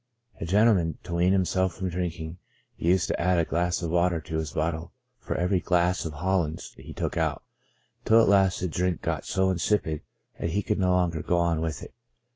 A gentleman, to wean himself from drinking, used to add a glass of water to his bottle for every glass of Hollands he took out, till at last the drink got so insipid that he could no longer go on with it.